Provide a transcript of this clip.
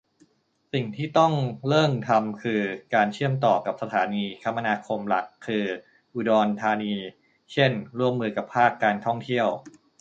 สิ่งที่ต้องเริ่งทำคือ การเชื่อมต่อกับสถานีคมนาคมหลักคือ อุดรธานี เช่น ร่วมมือกับภาคการท่องเที่ยว